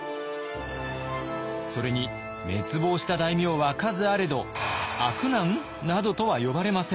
それに滅亡した大名は数あれど「悪男」などとは呼ばれません。